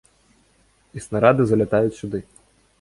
І снарады залятаюць сюды.